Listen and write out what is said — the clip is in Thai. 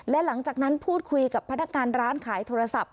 และหลังจากนั้นพูดคุยกับพนักงานร้านขายโทรศัพท์